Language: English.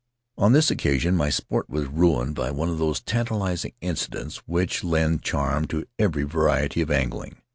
On this occasion my sport was ruined by one of those tantalizing incidents which lend charm to every variety of angling.